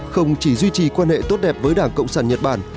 không chỉ duy trì quan hệ tốt đẹp với đảng cộng sản nhật bản